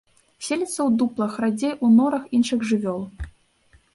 Селіцца ў дуплах, радзей у норах іншых жывёл.